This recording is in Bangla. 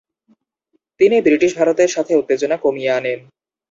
তিনি ব্রিটিশ ভারতের সাথে উত্তেজনা কমিয়ে আনেন।